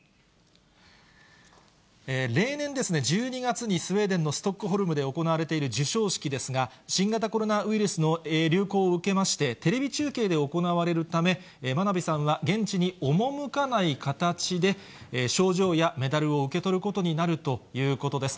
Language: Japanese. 例年ですね、１２月にスウェーデンのストックホルムで行われている授賞式ですが、新型コロナウイルスの流行を受けまして、テレビ中継で行われるため、真鍋さんは現地に赴かない形で、賞状やメダルを受け取ることになるということです。